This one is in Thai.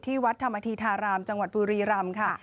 ที่วัดธรรมธีธารามจังหวัดปุรีรำ